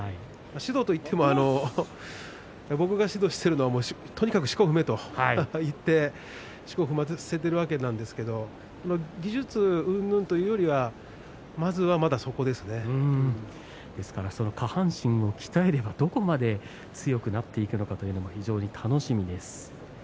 指導といっても僕が指導しているのはとにかくしこを踏めと言ってしこを踏ませているわけですけど技術うんぬんというよりは下半身を鍛えればどこまで強くなっていくのかというのも非常に楽しみです。